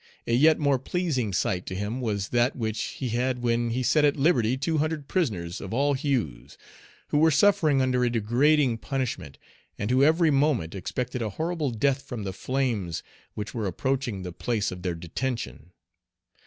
A yet more pleasing sight to him was that which he had when he set at liberty two hundred prisoners of all hues, who were suffering under a degrading punishment, and who every moment expected a horrible death from the flames which were approaching the place of their detention.